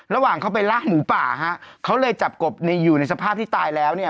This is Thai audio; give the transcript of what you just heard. ระหว่างเขาไปลากหมูป่าฮะเขาเลยจับกบในอยู่ในสภาพที่ตายแล้วเนี่ย